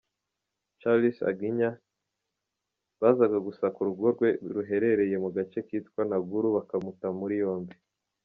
Charles Angina, bazaga gusaka urugo rwe ruherereye mu gace kitwa Naguru bakamuta muri yombi.